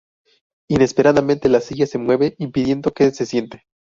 Inesperadamente la silla se mueve, impidiendo que se siente.